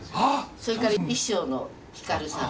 それから衣装の光さん。